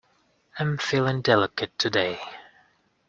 Am feeling delicate today.